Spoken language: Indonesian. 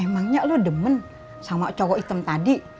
emangnya lo demen sama cowok item tadi